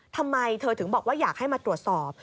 ทำไมเธอถึงบอกว่าอยากให้มาตรวจสอบ